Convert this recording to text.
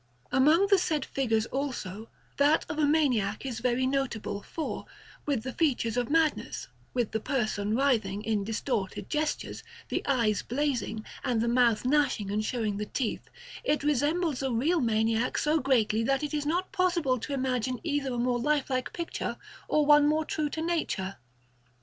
Among the said figures, also, that of a maniac is very notable, for, with the features of madness, with the person writhing in distorted gestures, the eyes blazing, and the mouth gnashing and showing the teeth, it resembles a real maniac so greatly that it is not possible to imagine either a more lifelike picture or one more true to nature.